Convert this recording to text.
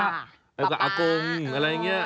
กับอากงอะไรงี้